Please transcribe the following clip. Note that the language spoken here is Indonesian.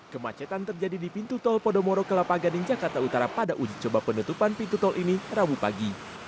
kemacetan terjadi di pintu tol podomoro kelapa gading jakarta utara pada uji coba penutupan pintu tol ini rabu pagi